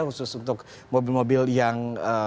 khusus untuk mobil mobil yang